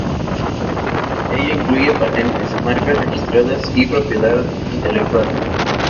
Ello incluye patentes, marcas registradas y propiedad intelectual.